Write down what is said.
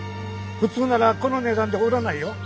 普通ならこの値段で売らないよ。